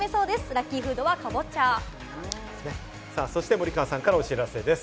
森川さんからお知らせです。